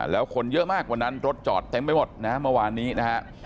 แล้วคนเยอะมากวันนั้นรถจอดเต็มไปหมดนะฮะเมื่อวานนี้นะฮะ